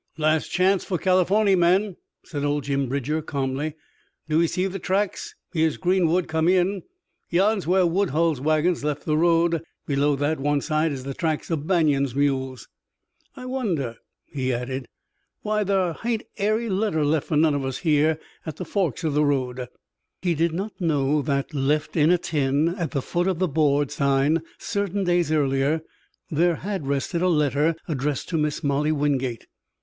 "Last chance for Californy, men," said old Jim Bridger calmly. "Do ee see the tracks? Here's Greenwood come in. Yan's where Woodhull's wagons left the road. Below that, one side, is the tracks o' Banion's mules." "I wonder," he added, "why thar hain't ary letter left fer none o' us here at the forks o' the road." He did not know that, left in a tin at the foot of the board sign certain days earlier, there had rested a letter addressed to Miss Molly Wingate.